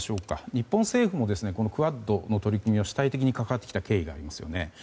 日本政府もクアッドの取り組みは主体的に関わってきた経緯がありますよね。